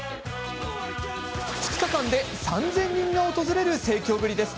２日間で３０００人が訪れる盛況ぶりです。